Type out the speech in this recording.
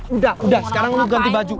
udah udah sekarang mau ganti baju